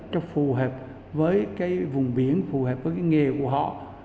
cho phù hợp với vùng biển phù hợp với nghề của họ